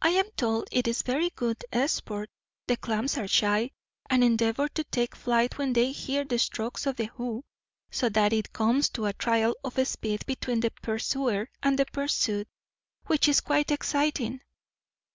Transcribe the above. "I am told it is very good sport. The clams are shy, and endeavour to take flight when they hear the strokes of the hoe; so that it comes to a trial of speed between the pursuer and the pursued; which is quite exciting."